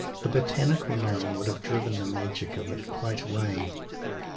A botanical name would have driven the magic of it quite away.